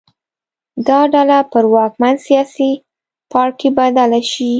دا ډله پر واکمن سیاسي پاړکي بدله شي